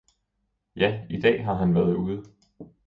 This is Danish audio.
Ja i dag har han været ude!